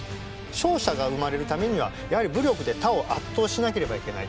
勝者が生まれるためにはやはり武力で他を圧倒しなければいけない。